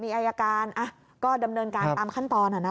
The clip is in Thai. อายการก็ดำเนินการตามขั้นตอน